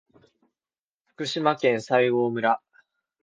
福島県西郷村